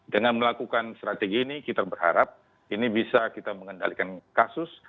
dengan melakukan strategi ini kita berharap ini bisa kita mengendalikan kasus